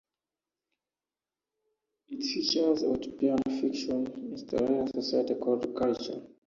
It features a utopian fictional interstellar society called the Culture.